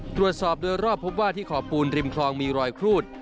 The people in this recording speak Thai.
ตรวจสอบโดยรอบพบว่าที่ขอบปูนริมคลองมีรอยครูด